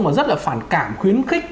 mà rất là phản cảm khuyến khích